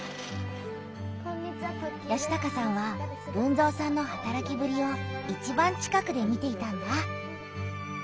嘉孝さんは豊造さんのはたらきぶりをいちばん近くで見ていたんだ。